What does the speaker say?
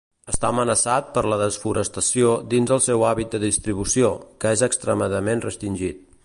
Està amenaçat per la desforestació dins el seu àmbit de distribució, que és extremament restringit.